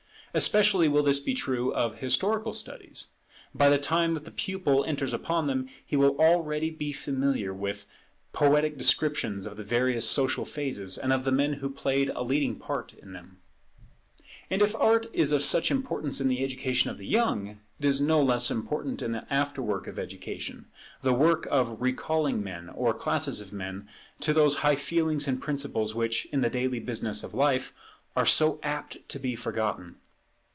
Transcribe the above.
Especially will this be true of historical studies. By the time that the pupil enters upon them, he will be already familiar with poetic descriptions of the various social phases, and of the men who played a leading part in them. [Relation of Art to Religion] And if Art is of such importance in the education of the young, it is no less important in the afterwork of education; the work of recalling men or classes of men to those high feelings and principles which, in the daily business of life, are so apt to be forgotten.